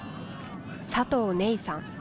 佐藤寧さん。